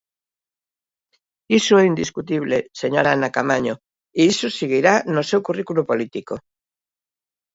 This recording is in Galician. Iso é indiscutible, señora Ana Caamaño, e iso seguirá no seu currículo político.